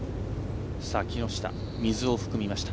木下、水を含みました。